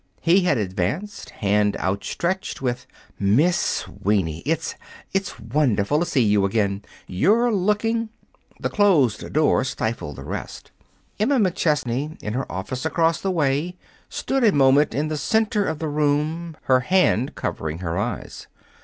He had advanced, hand outstretched, with: "Miss Sweeney! It it's wonderful to see you again! You're looking " The closed door stifled the rest. Emma McChesney, in her office across the way, stood a moment in the center of the room, her hand covering her eyes.